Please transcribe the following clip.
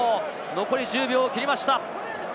残り１０秒を切りました。